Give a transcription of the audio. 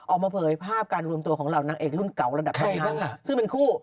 ออกมาเผยภาพการรวมตัวของหล่อนางเอกรุ่นเก๋วระดับเพราะฮ่ามซึ่งเป็นคู่